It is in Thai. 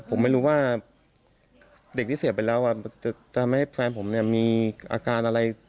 ผมไม่รู้ว่าเด็กที่เสียไปแล้วจะทำให้แฟนผมเนี่ยมีอาการอะไร